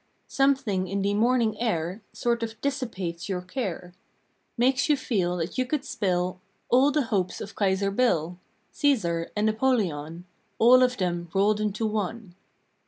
Something in the morning air Sort of dissipates your care; Makes you feel that you could spill All the hopes of Kaiser Bill, Caesar, and Napoleon, All of them rolled into one.